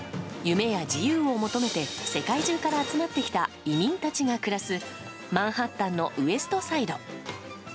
夢や自由を求めて世界中から集まってきた移民たちが暮らすマンハッタンのウエスト・サイド。